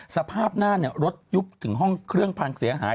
สภาพหน้ารถยุบถึงห้องเครื่องพังเสียหาย